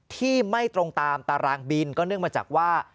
ที่ไม่ตรงตามตารางบินก็เนื่องมาจากว่า